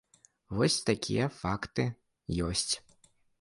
Вось такія факты ёсць.